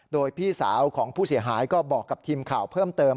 โดยพี่สาวของผู้เสียหายก็บอกกับทีมข่าวเพิ่มเติม